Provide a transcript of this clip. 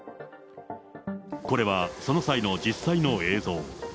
これはその際の実際の映像。